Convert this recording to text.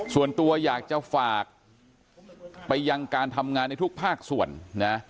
ส่วนตัวอยากจะฝากไปยังการทำงานในทุกภาคส่วนนะ